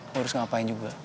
harus ngapain juga